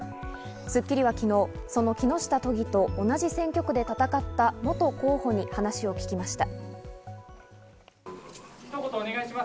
『スッキリ』は昨日、その木下都議と同じ選挙区で戦った元候補に話を聞きました。